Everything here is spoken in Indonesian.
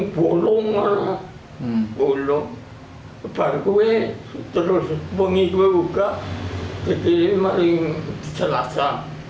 bolong bolong baru gue terus punggung gue juga jadi maling celaca